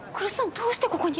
どうしてここに？